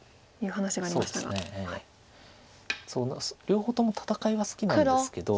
両方とも戦いは好きなんですけど。